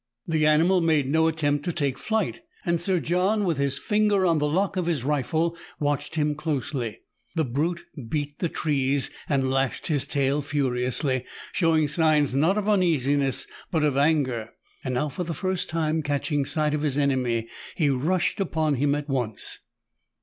The animal made no attempt to take flight, and Sir John, with his finger on the lock of his rifle, watched him closely. The brute beat the trees, and lashed his tail furiously, showing signs not of uneasiness, but of anger. Now, for the first time, catching sight of his enemy, he rushed upon him at once.